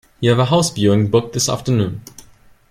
You have a house viewing booked this afternoon.